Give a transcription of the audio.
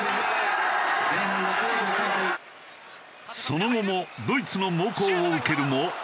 その後もドイツの猛攻を受けるも。